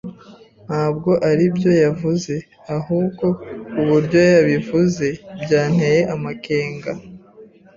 Ntabwo aribyo yavuze, ahubwo uburyo yabivuze byanteye amakenga.